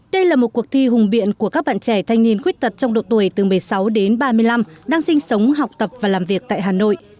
đây là một cuộc thi hùng biện của các bạn trẻ thanh niên khuyết tật trong độ tuổi từ một mươi sáu đến ba mươi năm đang sinh sống học tập và làm việc tại hà nội